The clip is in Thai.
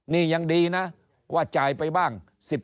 นี่ยังดีนะว่าจ่ายไปบ้าง